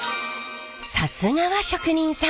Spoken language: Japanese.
さすがは職人さん。